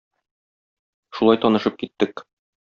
Шулай танышып киттек.